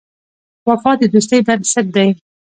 وفا د دوستۍ بنسټ دی.